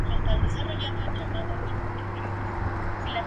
Se encuentra en Albania y Grecia.